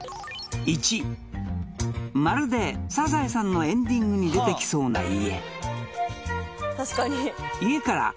まるで「サザエさん」のエンディングに出てきそうな家